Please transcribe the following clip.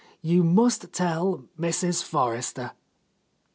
You must tell Mrs. Forrester."